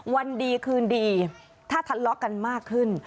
วันดีคืนดีถ้าทะเลาะกันมากขึ้น